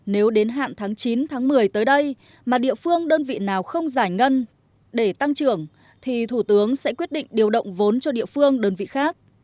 nếu đến hạn tháng chín tháng một mươi tới đây mà địa phương đơn vị nào không giải ngân để tăng trưởng thì thủ tướng sẽ quyết định điều động vốn cho địa phương đơn vị khác